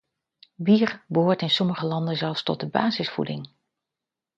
Bier behoort in sommige landen zelfs tot de basisvoeding.